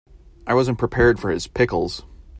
I wasn't prepared for his pickles.